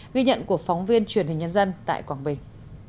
ghi nhận của phóng viên truyền hình nhân dân tại quảng bình